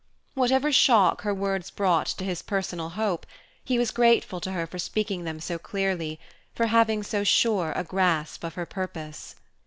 Whatever shock her words brought to his personal hope, he was grateful to her for speaking them so clearly, for having so sure a grasp of her purpose.